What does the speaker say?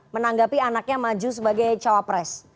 menanggapi anaknya maju sebagai cawapres